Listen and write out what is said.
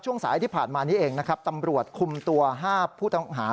สายที่ผ่านมานี้เองนะครับตำรวจคุมตัว๕ผู้ต้องหา